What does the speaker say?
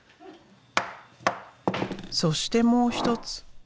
そしてもう一つ。